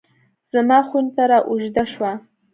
زما خونې ته رااوږده شوه